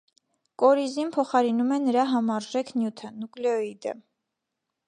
Կորիզին փոխարինում է նրա համարժեք նյութը՝նուկլեոիդը։